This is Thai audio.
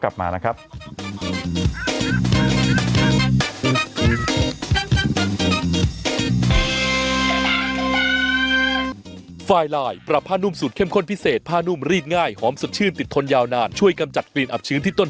พักสักครู่เดี๋ยวกลับมานะครับ